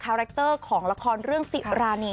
คุณฟังเสียงแล้วรู้สึกเป็นยังไง